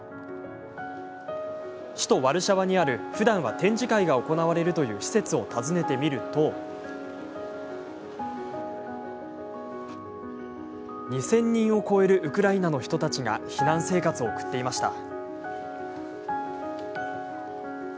首都ワルシャワにあるふだんは展示会が行われるという施設を訪ねてみると２０００人を超えるウクライナの人たちが避難生活を送っていました。